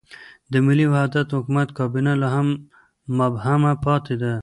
د ملي وحدت حکومت کابینه لا هم مبهمه پاتې ده.